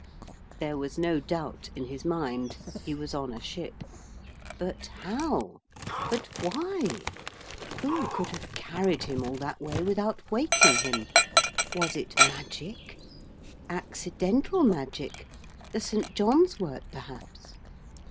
There was no doubt in his mind. He was on a ship. But how, but why? Who could have carried him all that way without waking him? Was it magic? Accidental magic? The St. John's wort perhaps?